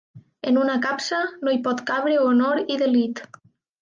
En una capsa no hi pot cabre honor i delit.